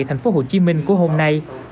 thành phố hồ chí minh của hôm nay